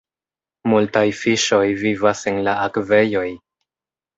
Multaj fiŝoj vivas en la akvejoj.